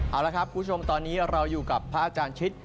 เอาละครับคุณผู้ชมตอนนี้เราอยู่กับพระอาจารย์ชิต